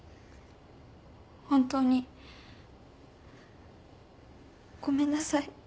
本当にごめんなさい。